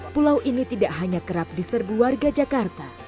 pulau ini tidak hanya kerap di serbu warga jakarta